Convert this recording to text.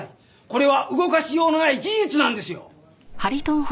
これは動かしようのない事実なんですよ！